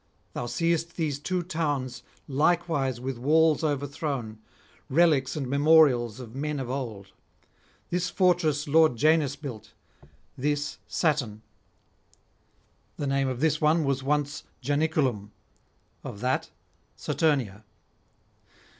Thou seest these two towns likewise with walls overthrown, relics and memorials of men of old. This fortress lord Janus built, this Saturn; the name of this was once Janiculum, of that Saturnia.'